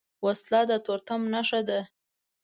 وسله د تورتم نښه ده